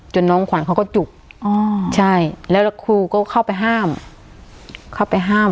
น้องขวัญเขาก็จุกใช่แล้วครูก็เข้าไปห้ามเข้าไปห้าม